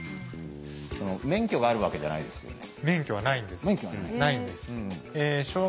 免許があるわけじゃないですよね。